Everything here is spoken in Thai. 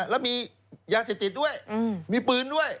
แล้วมียาเสพติดด้วยมีปืนด้วย